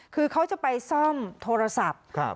คือเขาจะไปซ่อมโทรศัพท์